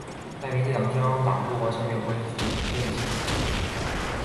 但民进党中央党部完全没有回应此检举信。